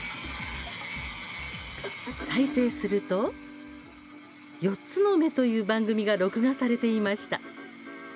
再生すると「四つの目」という番組が録画されていました。